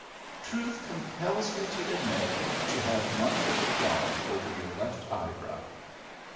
"Truth compels me to admit that you have one little daub over your left eyebrow."